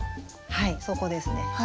はいそこですね。